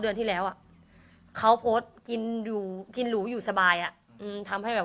เดือนที่แล้วอ่ะเขาโพสต์กินอยู่กินหรูอยู่สบายอ่ะอืมทำให้แบบ